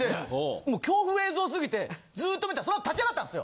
もう恐怖映像すぎてずっと見てたらそのあと立ち上がったんですよ。